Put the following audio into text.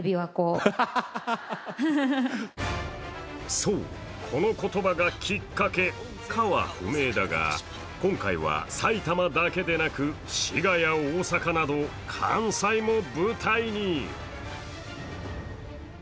そう、この言葉がきっかけかは不明だが、今回は埼玉だけでなく滋賀や大阪など関西も舞台に。